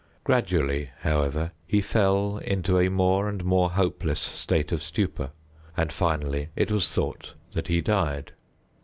Gradually, however, he fell into a more and more hopeless state of stupor, and, finally, it was thought that he died.